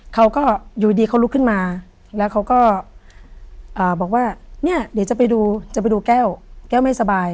เขาก็อยู่ดีเขาลุกขึ้นมาแล้วเขาก็บอกว่าเนี่ยเดี๋ยวจะไปดูจะไปดูแก้วแก้วไม่สบาย